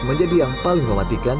menjadi yang paling mematikan